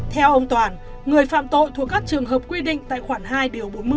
theo ông toàn người phạm tội thuộc các trường hợp quy định tại khoảng hai bốn mươi